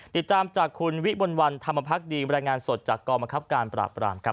ติดตามจากคุณวิมลวันธรรมพักดีบรรยายงานสดจากกองบังคับการปราบรามครับ